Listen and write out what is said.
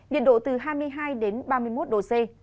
nhiệt độ từ hai mươi hai đến ba mươi một độ c